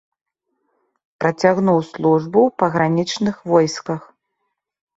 Працягнуў службу ў пагранічных войсках.